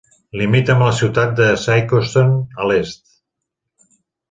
Limita amb la ciutat de Sikeston a l'est.